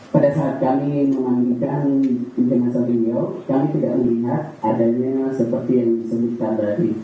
pada saat kami memandikan pindah masa video kami tidak melihat adanya seperti yang disambungkan tadi